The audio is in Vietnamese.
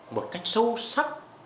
một cách sâu sắc